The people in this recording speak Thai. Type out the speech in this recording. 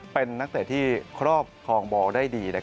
เป็นนักเตะที่ครอบครองบอลได้ดี